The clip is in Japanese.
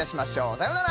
さようなら。